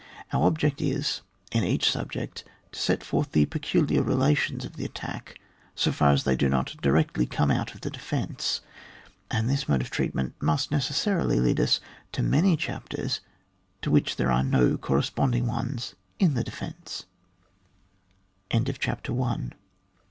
Our object is, in each subject, to set forth the peculiar rela tions of the attack, so far as they do not directly come out of the defence, and this mode of treatment must neces sarily lead us to many chapters to which there are no corresponding ones in the defence.